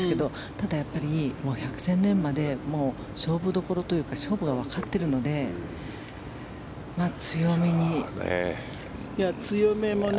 ただ、百戦錬磨で勝負どころというか勝負がわかっているので強めもね。